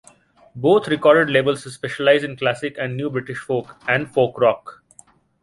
Both record labels specialise in classic and new British folk and folk-rock.